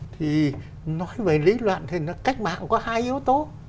thì nói về lý luận thì cách mạng có hai yếu tố